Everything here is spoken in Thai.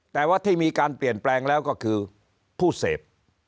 แต่ว่าที่มีการเปลี่ยนแปลงแล้วก็คือผู้เสพ